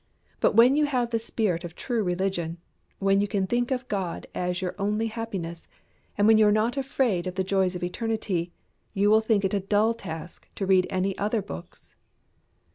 But when you have the spirit of true religion, when you can think of God as your only happiness, when you are not afraid of the joys of eternity, you will think it a dull task to read any other books.